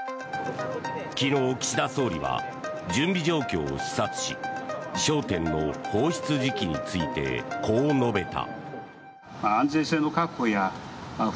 昨日、岸田総理は準備状況を視察し焦点の放出時期についてこう述べた。